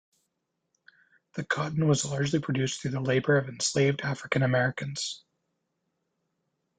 The cotton was largely produced through the labor of enslaved African Americans.